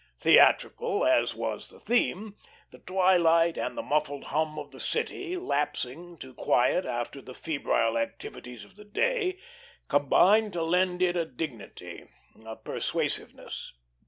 Theatrical as was the theme, the twilight and the muffled hum of the city, lapsing to quiet after the febrile activities of the day, combined to lend it a dignity, a persuasiveness.